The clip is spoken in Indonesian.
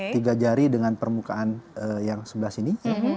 tiga jari dengan permukaan yang sebelah sini